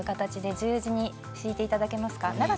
十字に切っていただけますか。